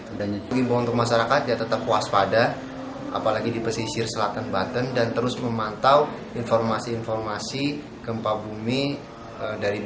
untuk masyarakat yang tetap waspada apalagi di pesisir selatan baten dan terus memantau informasi informasi gempa bumi dari bmkg